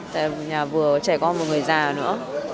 tại nhà vừa trẻ con vừa người già nữa